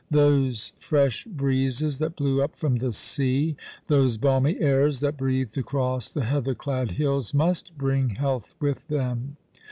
Those fresh breezes that blew up from the sea, those balmy airs that breathed across the heather clad hills, must bring health with them.